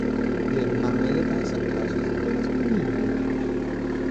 Der manuelle Weißabgleich ist über das Menü möglich.